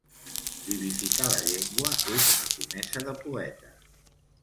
Vivificar la llengua és una comesa de poeta.